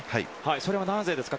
それはなぜですか？